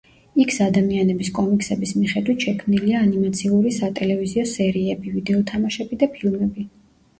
იქს-ადამიანების კომიქსების მიხედვით შექმნილია ანიმაციური სატელევიზიო სერიები, ვიდეო თამაშები და ფილმები.